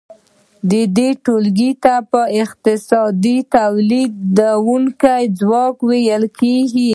دې ټولګې ته په اقتصاد کې تولیدونکی ځواک ویل کیږي.